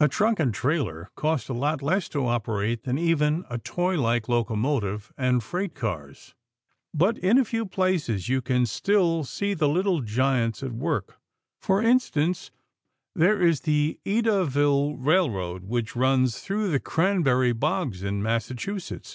A truck and trailer cost a lot less to operate than even a toy like locomotive and freight cars. But in a few places you can still see the little giants at work. For instance, there is the Edaville Railroad which runs through the cranberry bogs in Massachusetts.